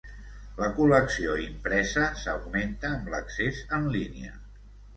La col·lecció impresa s'augmenta amb l'accés en línia.